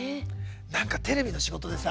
テレビの仕事でさ